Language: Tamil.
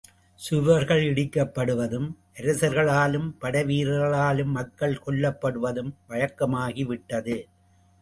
சுவர்கள் இடிக்கப்படுவதும், அரசர்களாலும், படைவீரர்களாலும் மக்கள் கொல்லப்படுவதும், வழக்கமாகிவிட்டது.